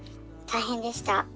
大変でした。